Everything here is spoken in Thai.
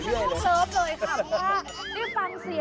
ซึ่งอักษ์ทั้งคุณที